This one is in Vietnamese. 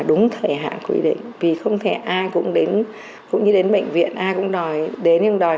đúng thời hạn quy định vì không thể ai cũng đến cũng như đến bệnh viện ai cũng đòi đến nhưng đòi